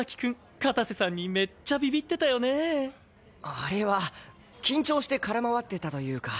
あれは緊張して空回ってたというか。